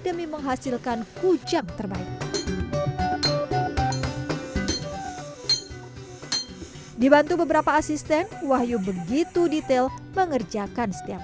demi menghasilkan kujang terbaik dibantu beberapa asisten wahyu begitu detail mengerjakan setiap